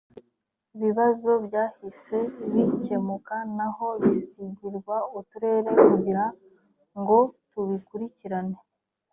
bibazo byahise bikemuka naho bisigirwa uturere kugira ngo tubikurikirane